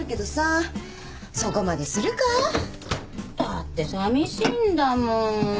だってさみしいんだもん。